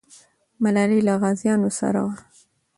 ملالۍ له غازیانو سره وه.